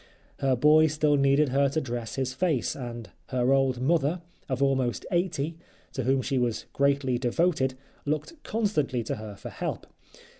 Her boy still needed her to dress his face, and her old mother, of almost eighty, to whom she was greatly devoted, looked constantly to her for help.